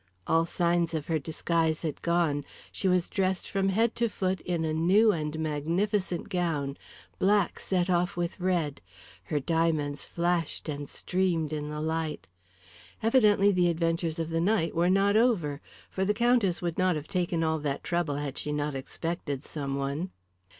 All signs of her disguise had gone; she was dressed from head to foot in a new and magnificent gown, black set off with red, her diamonds flashed and streamed in the light. Evidently the adventures of the night were not over, for the Countess would not have taken all that trouble had she not expected some one.